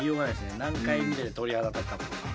何回見てて鳥肌立ったことか。